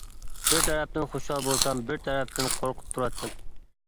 بىر تەرەپتىن خۇشال بولسام بىر تەرەپتىن قورقۇپ تۇراتتىم.